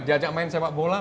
diajak main sepak bola